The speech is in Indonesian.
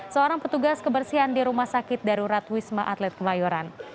seorang petugas kebersihan di rumah sakit darurat wisma atlet kemayoran